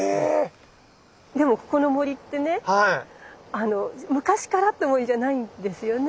⁉でもここの森ってね昔からあった森じゃないんですよね？